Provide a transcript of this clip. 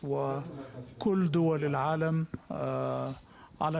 dan semua negara di dunia